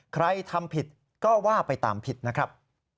ใครทำผิดก็ว่าไปตามผิดนะครับ